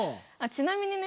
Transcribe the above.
ちなみにね